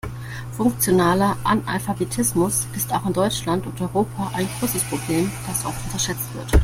Funktionaler Analphabetismus ist auch in Deutschland und Europa ein großes Problem, das oft unterschätzt wird.